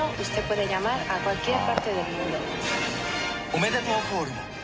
「おめでとうコールも」